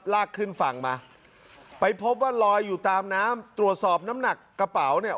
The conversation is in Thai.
ลากขึ้นฝั่งมาไปพบว่าลอยอยู่ตามน้ำตรวจสอบน้ำหนักกระเป๋าเนี่ย